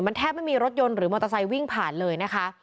แทบไม่มีรถยนต์หรือมอเตอร์ไซค์วิ่งผ่านเลยนะคะ